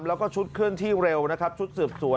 แล้วก็ชุดขึ้นที่เร็วชุดสืบสวน